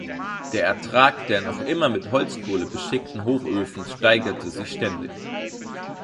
Der Ertrag der noch immer mit Holzkohle beschickten Hochöfen steigerte sich ständig.